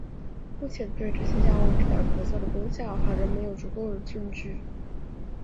目前对于这些药物治疗咳嗽的功效仍没有足够证据。